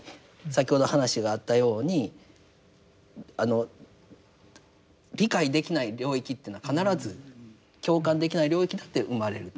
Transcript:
先ほど話があったように理解できない領域というのは必ず共感できない領域だって生まれる。